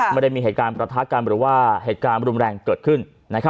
ไม่ได้มีเหตุการณ์ประทะกันหรือว่าเหตุการณ์รุนแรงเกิดขึ้น